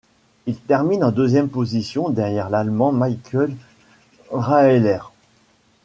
Il termine en deuxième position derrière l'Allemand Michael Raelert.